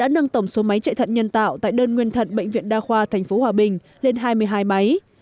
nâng tổng số máy chạy thận nhân tạo tại đơn nguyên thận bệnh viện đa khoa thành phố hòa bình lên hai mươi hai máy